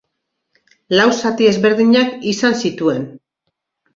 Lau zati ezberdinak izan zituen.